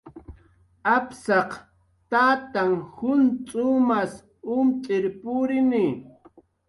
Apsaq tananh juncx'umas umt'ir purini